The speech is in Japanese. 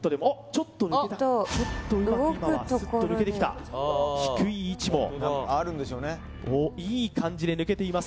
ちょっとうまく今はスッと抜けてきた低い位置もおっいい感じで抜けています